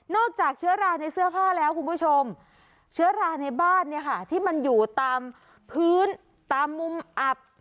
จากเชื้อราในเสื้อผ้าแล้วคุณผู้ชมเชื้อราในบ้านเนี่ยค่ะที่มันอยู่ตามพื้นตามมุมอับ